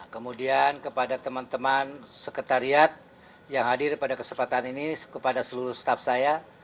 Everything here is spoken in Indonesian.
kemudian kepada teman teman sekretariat yang hadir pada kesempatan ini kepada seluruh staff saya